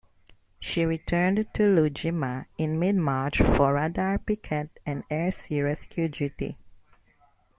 She returned to Iwo Jima in mid-March for radar picket and air-sea rescue duty.